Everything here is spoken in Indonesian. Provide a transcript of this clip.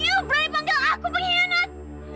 you berani panggil aku pengkhianat